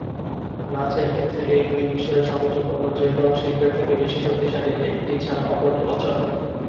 নাচের ক্ষেত্রে এই দুই বিষয়ের সংযোগ অন্য যে কোন শিল্পের থেকে বেশি শক্তিশালী, একটি ছাড়া অপরটি অচল।